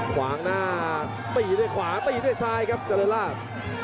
ขวางหน้าตีด้วยขวาตีด้วยซ้ายครับเจริญราช